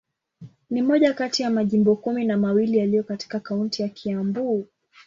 Ni moja kati ya majimbo kumi na mawili yaliyo katika kaunti ya Kiambu.